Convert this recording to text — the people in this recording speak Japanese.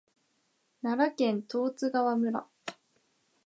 奈良県十津川村